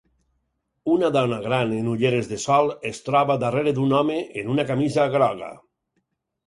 Una dona gran en ulleres de sol es troba darrere d'un home en una camisa groga